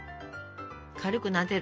軽くなでる。